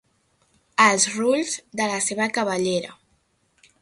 Els rulls de la seva cabellera.